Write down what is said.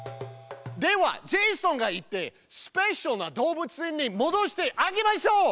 ではジェイソンが行ってスペシャルな動物園にもどしてあげましょう！